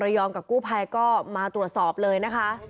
ยองกับกู้ภัยก็มาตรวจสอบเลยนะคะ